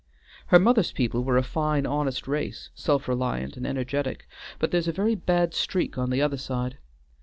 Her mother's people were a fine, honest race, self reliant and energetic, but there is a very bad streak on the other side.